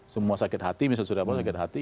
semua sakit hati misalnya suria pahlaw sakit hati